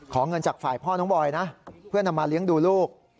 เงินจากฝ่ายพ่อน้องบอยนะเพื่อนำมาเลี้ยงดูลูก